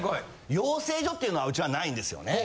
養成所っていうのはうちはないんですよね。